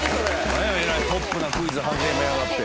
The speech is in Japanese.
なんやえらいポップなクイズ始めやがって。